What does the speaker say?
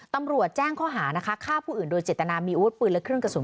ตำรวจแจ้งข้อหานะคะฆ่าผู้อื่นโดยเจตนามีอาวุธปืนและเครื่องกระสุน